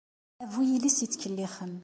A bu yiles yettkellixen!